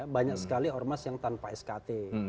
banyak sekali ormas yang tanpa skt